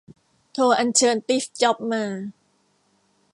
โทรอัญเชิญตีฟจ็อบมา